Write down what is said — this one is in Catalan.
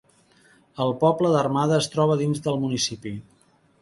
El poble d'Armada es troba dins del municipi.